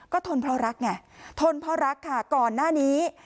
ก็ทนเพราะรักไงทนเพราะรักค่ะก่อนหน้านี้